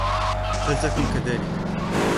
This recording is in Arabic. فلتكن كذلك!